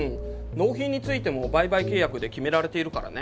納品についても売買契約で決められているからね。